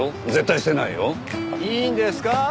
いいんですか？